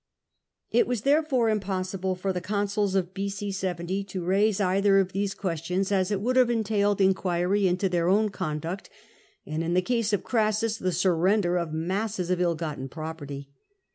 It was therefore impossible for the consuls of B.C. 70 to raise either of these questions, as it would have entailed inquiry into their own conduct, and in the case of Orassus the surrender of masses of ill gotten property.